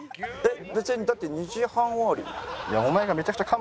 別にだって２時半終わり。